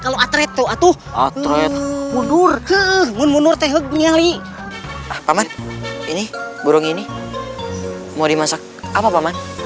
kalau atret tuh atuh atret mundur mundur teh nyalih paman ini burung ini mau dimasak apa paman